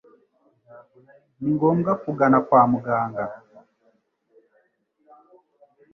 ni ngombwa kugana kwa muganga.